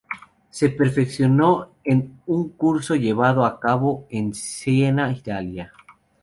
Se perfeccionó en un curso llevado a cabo en Siena, Italia.